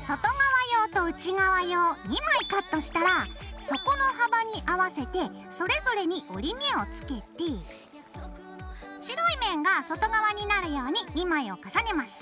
外側用と内側用２枚カットしたら底の幅に合わせてそれぞれに折り目をつけて白い面が外側になるように２枚を重ねます。